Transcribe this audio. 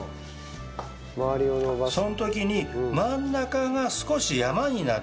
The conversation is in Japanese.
その時に真ん中が少し山になってるぐらい。